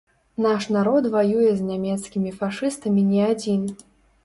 Наш народ ваюе з нямецкімі фашыстамі не адзін.